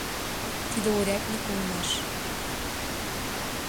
Тиде урядник улмаш.